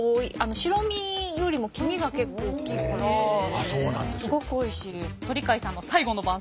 白身よりも黄身が結構大きいからすごくおいしい。